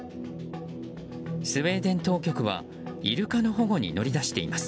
スウェーデン当局はイルカの保護に乗り出しています。